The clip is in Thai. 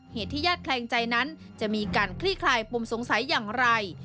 เหตุที่ญาติแคลงใจนั้นจะมีการคลี่คลายปมสงสัยอย่างไร